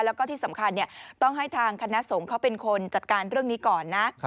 แล้วก็ที่สำคัญต้องให้ทางคณะสงฆ์เขาเป็นคนจัดการเรื่องนี้ก่อนนะ